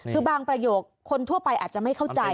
คือบางประโยคคนทั่วไปอาจจะไม่เข้าใจ